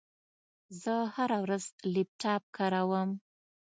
زه هره ورځ لپټاپ کاروم.